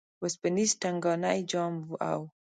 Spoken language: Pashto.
وسپنیز ټنګانی جام او